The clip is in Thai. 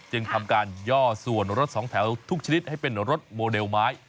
ทำการย่อส่วนรถสองแถวทุกชนิดให้เป็นรถโมเดลไม้